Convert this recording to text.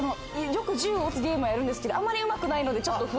銃を撃つゲームはやるんですけどあんまりうまくないので。